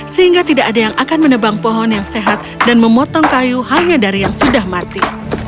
sehingga tidak ada yang akan menebang pohon yang sehat dan memotong kayu hanya dari yang sudah mati